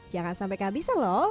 jangan sampai kehabisan loh